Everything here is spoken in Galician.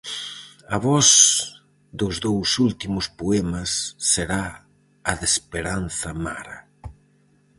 A voz dos dous últimos poemas será a de Esperanza Mara.